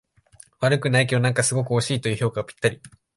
悪くないけど、なんかすごく惜しいという評価がぴったり